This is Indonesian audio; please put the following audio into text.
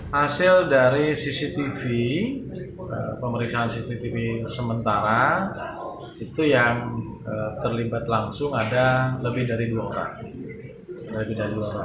hasil dari cctv pemeriksaan cctv sementara itu yang terlibat langsung ada lebih dari dua orang